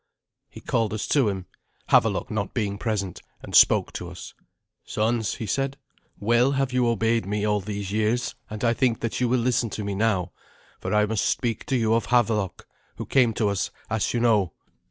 He called us to him, Havelok not being present, and spoke to us. "Sons," he said, "well have you all obeyed me all these years, and I think that you will listen to me now, for I must speak to you of Havelok, who came to us as you know.